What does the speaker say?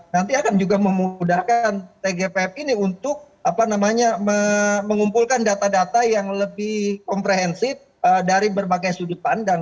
nanti akan juga memudahkan tgpf ini untuk mengumpulkan data data yang lebih komprehensif dari berbagai sudut pandang